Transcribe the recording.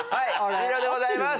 終了でございます。